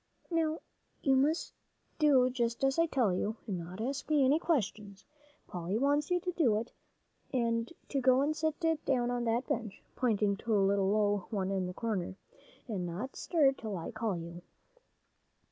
"Now, you must do just as I tell you, and not ask me any questions. Polly wants you to do it, to go and sit down on that bench," pointing to a little low one in the corner, "and not stir till I call you."